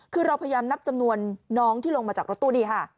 คือเราพยายามนับจำนวนน้องที่ลงมาจากรถตู้ดีค่ะ